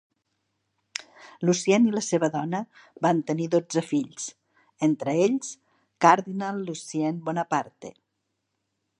Lucien i la seva dona van tenir dotze fills, entre ells, Cardinal Lucien Bonaparte.